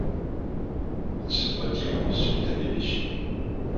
Il se retira ensuite à l’évêché.